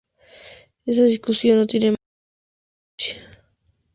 Esa discusión no tiene mayor trascendencia.